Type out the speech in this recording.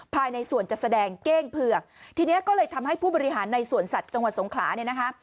ภายในส่วนจัดแสดงเก้งเผือกทีนี้ก็เลยทำให้ผู้บริหารในสวนสัตว์จังหวัดสงขลาเนี่ยนะคะ